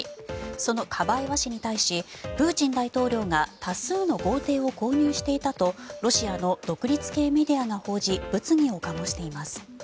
そのカバエワ氏に対しプーチン大統領が多数の豪邸を購入していたとロシアの独立系メディアが報じ物議を醸しています。